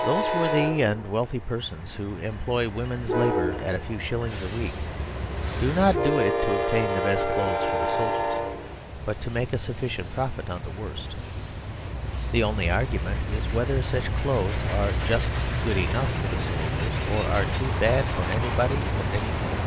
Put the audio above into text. Those worthy and wealthy persons who employ women's labour at a few shillings a week do not do it to obtain the best clothes for the soldiers, but to make a sufficient profit on the worst. The only argument is whether such clothes are just good enough for the soldiers, or are too bad for anybody or anything.